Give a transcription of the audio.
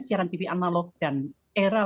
siaran tv analog dan era